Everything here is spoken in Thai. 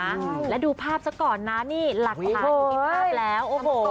เดี๋ยวดูภาพสักก่อนนะหลักผ่านอยู่ที่ภาพแล้ว